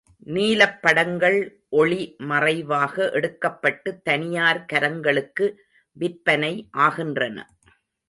நீலப்படங்கள் ஒளி மறைவாக எடுக்கப்பட்டுத் தனியார் கரங்களுக்கு விற்பனை ஆகின்றன.